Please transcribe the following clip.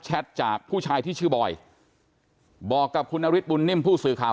จากผู้ชายที่ชื่อบอยบอกกับคุณนฤทธบุญนิ่มผู้สื่อข่าว